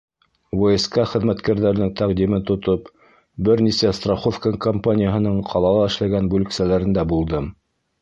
ВСК хеҙмәткәрҙәренең тәҡдимен тотоп, бер нисә страховка компанияһының ҡалала эшләгән бүлексәләрендә булдым.